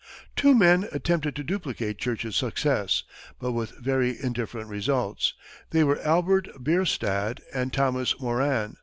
Two men attempted to duplicate Church's success, but with very indifferent result. They were Albert Bierstadt and Thomas Moran.